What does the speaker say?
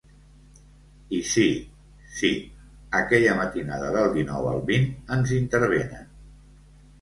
I sí, sí, aquella matinada del dinou al vint ens intervenen.